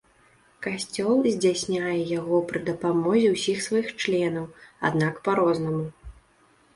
Касцёл здзяйсняе яго пры дапамозе ўсіх сваіх членаў, аднак па-рознаму.